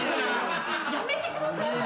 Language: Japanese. やめてください！